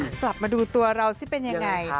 กลับมาดูตัวเราสิเป็นยังไง